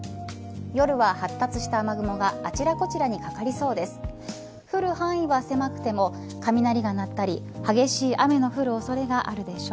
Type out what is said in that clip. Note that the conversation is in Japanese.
夜は発達した雨雲があちらこちらにかかりそうです。